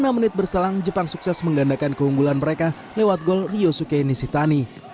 enam menit berselang jepang sukses menggandakan keunggulan mereka lewat gol ryosuke nishitani